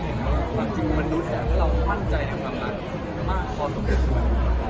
เห็นว่าจริงมันดูแทนถ้าเราข้อนใจกับสำหรับพอส่งของเรา